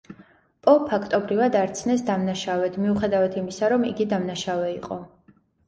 პო ფაქტობრივად არ ცნეს დამნაშავედ, მიუხედავად იმისა, რომ იგი დამნაშავე იყო.